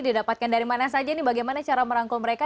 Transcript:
didapatkan dari mana saja ini bagaimana cara merangkul mereka